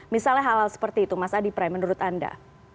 misalnya hal hal seperti itu mas adi pray menurut anda